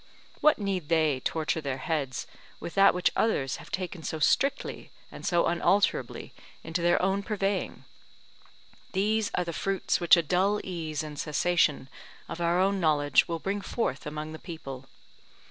What need they torture their heads with that which others have taken so strictly and so unalterably into their own purveying? These are the fruits which a dull ease and cessation of our knowledge will bring forth among the people.